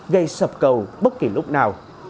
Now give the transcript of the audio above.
gây sập cầu bất kỳ lúc nào